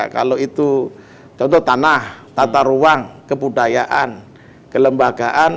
kalau itu contoh tanah tata ruang kebudayaan kelembagaan